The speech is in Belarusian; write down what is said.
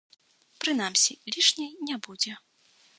Прынамсі, лішняй не будзе.